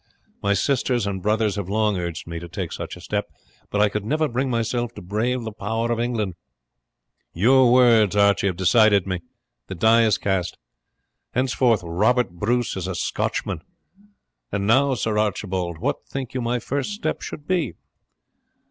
My sisters and brothers have long urged me to take such a step, but I could never bring myself to brave the power of England. Your words have decided me. The die is cast. Henceforward Robert Bruce is a Scotchman. And now, Sir Archibald, what think you my first step should be?"